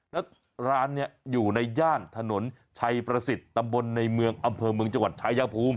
แล้วร้านนี้อยู่ในย่านถนนชัยประสิทธิ์ตำบลในเมืองอำเภอเมืองจังหวัดชายภูมิ